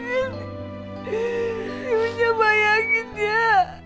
ini ibu nyampe yakin dia